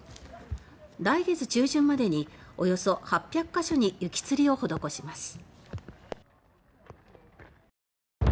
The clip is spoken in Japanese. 来月中旬までにおよそ８００か所に雪つりを施します。